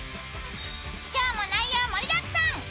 今日も内容盛りだくさん。